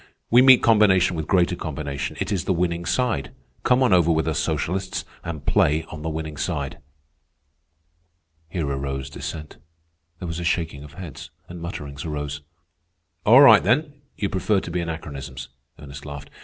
We meet combination with greater combination. It is the winning side. Come on over with us socialists and play on the winning side." Here arose dissent. There was a shaking of heads, and mutterings arose. "All right, then, you prefer to be anachronisms," Ernest laughed.